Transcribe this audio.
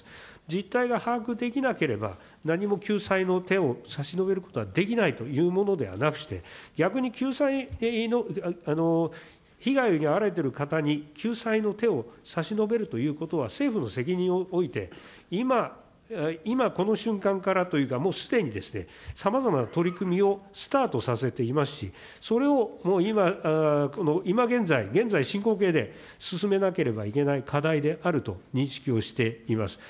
実態が把握できなければ、何も救済の手を差し伸べることはできないというものではなくして、逆に救済の、被害に遭われてる方に救済の手を差し伸べるということは、政府の責任において、今、この瞬間からというか、もうすでに、さまざまな取り組みをスタートさせていますし、それを今現在、現在進行形で進めなければいけない課題であると認識をしています。